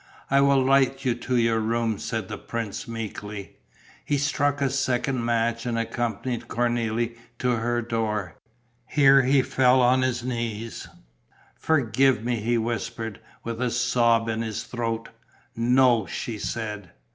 "I will light you to your room," said the prince, meekly. He struck a second match and accompanied Cornélie to her door. Here he fell on his knees: "Forgive me," he whispered, with a sob in his throat. "No," she said.